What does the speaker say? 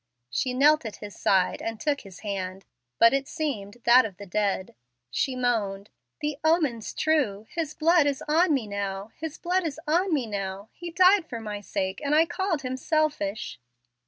She knelt at his side and took his hand, but it seemed that of the dead. She moaned, "The omen's true. His blood is on me now his blood is on me now. He died for my sake, and I called him selfish."